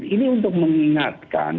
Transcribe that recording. ini untuk mengingatkan